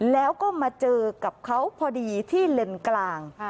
แล้วก็มาเจอกับเขาพอดีที่เลนส์กลาง